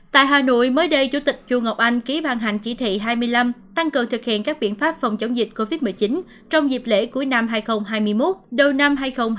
tại hà nội mới đây chủ tịch chu ngọc anh ký ban hành chỉ thị hai mươi năm tăng cường thực hiện các biện pháp phòng chống dịch covid một mươi chín trong dịp lễ cuối năm hai nghìn hai mươi một đầu năm hai nghìn hai mươi